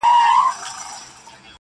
په اوومه ورځ موضوع له کوره بهر خپرېږي,